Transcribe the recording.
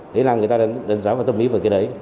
đấy là người ta đánh giá và tâm ý về cái đấy